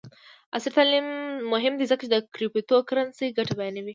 عصري تعلیم مهم دی ځکه چې د کریپټو کرنسي ګټې بیانوي.